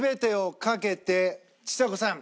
ちさ子さん。